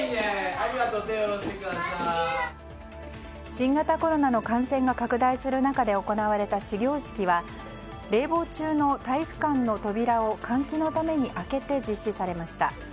新型コロナの感染が拡大する中で行われた始業式は冷房中の体育館の扉を換気のために開けて実施されました。